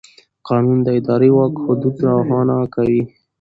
قانون د اداري واک حدود روښانه کوي.